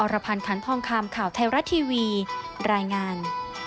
รพันธ์คันทองคำข่าวไทยรัฐทีวีรายงาน